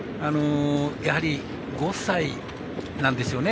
やはり５歳なんですよね。